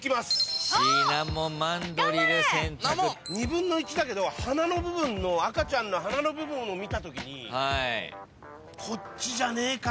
２分の１だけど赤ちゃんの鼻の部分を見たときにこっちじゃねえか？